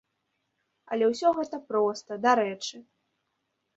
Але ўсё гэта проста дарэчы.